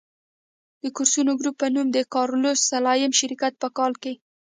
د کورسو ګروپ په نوم د کارلوس سلایم شرکت په کال کې.